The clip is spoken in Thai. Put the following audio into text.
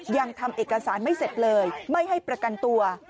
ยังทำเอกสารไม่เสร็จเลยไม่ให้ประกันตัว